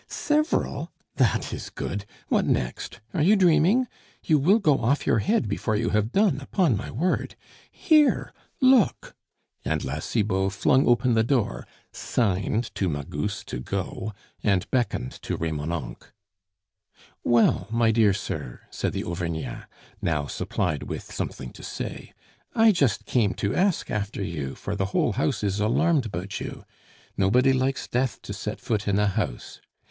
"Several? that is good! What next! Are you dreaming! You will go off your head before you have done, upon my word! Here, look!" and La Cibot flung open the door, signed to Magus to go, and beckoned to Remonencq. "Well, my dear sir," said the Auvergnat, now supplied with something to say, "I just came to ask after you, for the whole house is alarmed about you. Nobody likes Death to set foot in a house!